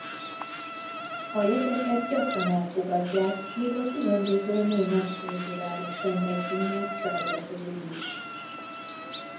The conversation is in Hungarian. A jegyeket gyakran elfogadják még a különböző német kulturális rendezvények szervezői is.